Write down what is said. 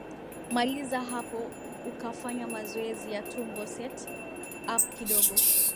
maliza hapo ukafanya mazoezi ya tumbo set up kidogo